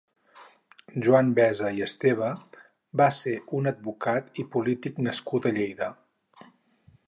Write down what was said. Joan Besa i Esteve va ser un advocat i polític nascut a Lleida.